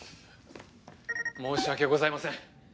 申し訳ございません。